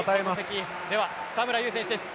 では田村優選手です。